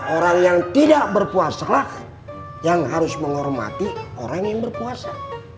orang yang tidak berpuasalah yang harus menghormati orang yang berpuasa